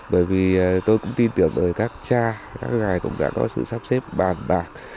bởi vì tôi cũng tin tưởng các cha các ngài cũng đã có sự sắp xếp bàn bạc